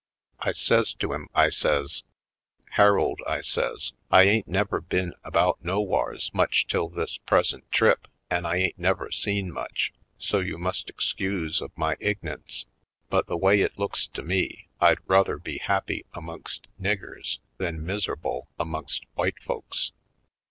I says to him, I says : ''Harold," I says, "I ain't never been about nowhars much till this present trip an' I ain't never seen much, so you must ex cuse of my ign'ence but the way it looks to me, I'd ruther be happy amongst niggers then miser'ble amongst w'ite folks."